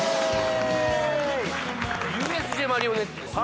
ＵＳＪマリオネットですか。